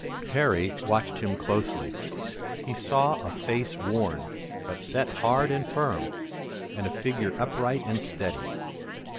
Harry watched him closely. He saw a face worn, but set hard and firm, and a figure upright and steady.